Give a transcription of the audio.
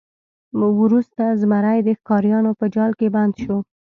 وروسته زمری د ښکاریانو په جال کې بند شو.